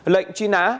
lệnh truy nã